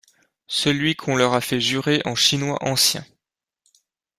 Celui qu'on leur a fait jurer en chinois ancien.